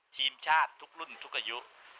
ทีมชาติทุกรุ่นทุกอายุ